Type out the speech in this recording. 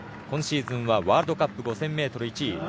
今シーズンはワールドカップ５０００ｍ１位。